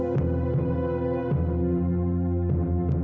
dilihat dari keterangan subala